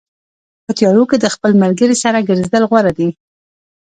په تیارو کې د خپل ملګري سره ګرځېدل غوره دي.